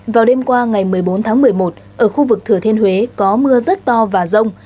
vào đêm qua ngày một mươi bốn tháng một mươi một ở khu vực thừa thiên huế có mưa rất to và rông